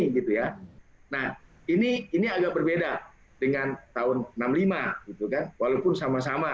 nah ini agak berbeda dengan tahun seribu sembilan ratus enam puluh lima gitu kan walaupun sama sama